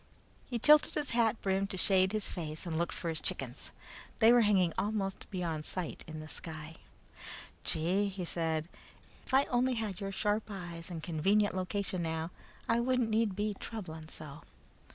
He tilted his hat brim to shade his face and looked for his chickens. They were hanging almost beyond sight in the sky. "Gee!" he said. "If I only had your sharp eyes and convenient location now, I wouldn't need be troubling so."